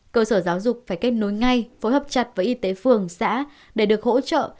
cơ sở giáo dục phải kết nối ngay phối hợp chặt với y tế phường xã để được hỗ trợ